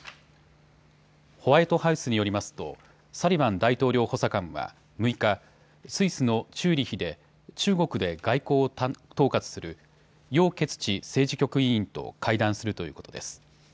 ホワイトハウスによりますとサリバン大統領補佐官は６日、スイスのチューリヒで中国で外交を統括する楊潔ち政治局委員と会談するということです。